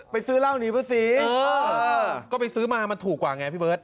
ไปซื้อล่าวนิพฤษีเออเออก็ไปซื้อมามันถูกกว่าไงพี่เบิร์ด